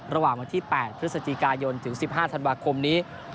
ระหว่างวันที่๘พฤศจิกายนถึง๑๕ธันวาคมนี้